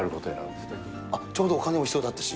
ちょうどお金も必要だったし？